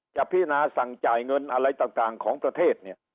พินาสั่งจ่ายเงินอะไรต่างของประเทศเนี่ย